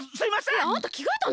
えっあんたきがえたの？